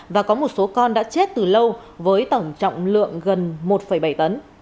và có một số con đã chết từ lâu với tổng trọng lượng gần một bảy tấn